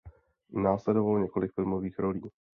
Následovalo několik filmových rolí.